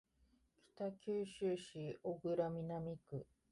北九州市小倉南区